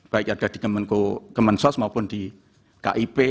baik ada di kemensos maupun di kip